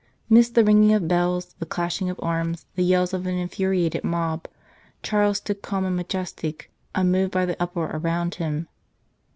Midst the ringing of bells, the clashing of arms, the yells of an infuriated mob, Charles stood calm and majestic, unmoved by the uproar around him.